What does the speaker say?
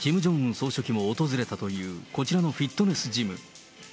総書記も訪れたというこちらのフィットネスジム。